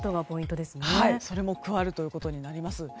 はい、それも加わるということになります。